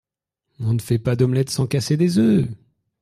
On ne fait pas d’omelette sans casser des œufs.